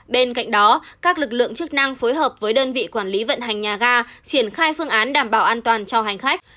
bên cạnh đó các lực lượng chức năng phối hợp với đơn vị quản lý vận hành nhà ga triển khai phương án đảm bảo an toàn cho hành khách